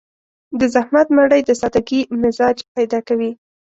د زحمت مړۍ د سادهګي مزاج پيدا کوي.